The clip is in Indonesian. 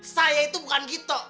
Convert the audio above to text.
saya itu bukan gitu